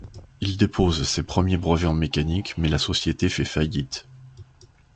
Il dépose ses premiers brevets en mécanique mais la société fait faillite.